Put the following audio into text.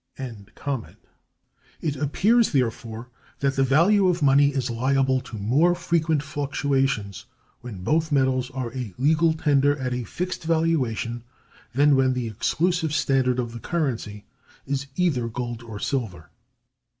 (235) It appears, therefore, that the value of money is liable to more frequent fluctuations when both metals are a legal tender at a fixed valuation than when the exclusive standard of the currency is either gold or silver.